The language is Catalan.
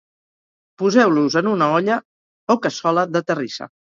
poseu-los en una olla o cassola de terrissa